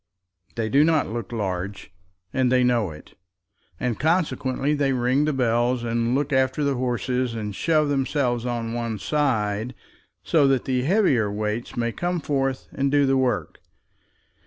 They do not look large, and they know it; and consequently they ring the bells, and look after the horses, and shove themselves on one side, so that the heavier weights may come forth and do the work.